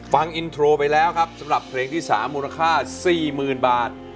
ฟังอินโทรไปแล้วครับสำหรับเพลงที่สามมูลค่าสี่หมื่นบาท